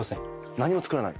何も作らない？